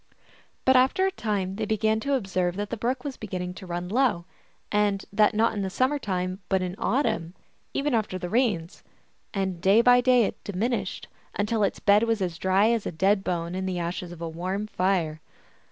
But after a time they began to observe that the brook was beginning to run low, and that not in the summer time, but in autumn, even after the rains. And day by day it diminished, until its bed was as dry as a dead bone in the ashes of a warm fire.